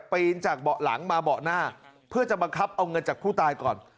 ปีนจากเบาะหลังมาเบาะหน้าเพื่อจะบังคับเอาเงินจากผู้ตายก่อน